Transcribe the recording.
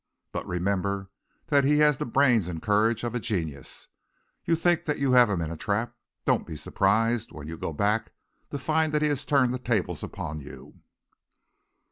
But remember that he has the brains and courage of genius. You think that you have him in a trap. Don't be surprised, when you go back, to find that he has turned the tables upon you."